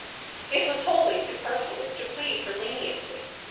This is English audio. ^ It was wholly superfluous to plead for leniency.